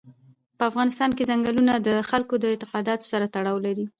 په افغانستان کې ځنګلونه د خلکو د اعتقاداتو سره تړاو لري.